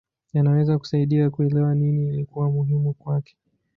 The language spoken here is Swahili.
Yanaweza kusaidia kuelewa nini ilikuwa muhimu kwake.